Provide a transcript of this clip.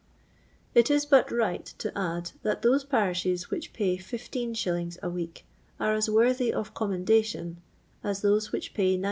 It is but right to add, that those parishes which pay 15s. a week are as worthy of commendation as those which pay 9».